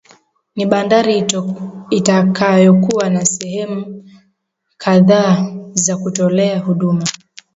Ni bandari itakayokuwa na sehemu kadhaa za kutolea huduma